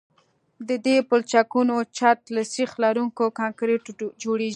د دې پلچکونو چت له سیخ لرونکي کانکریټو جوړیږي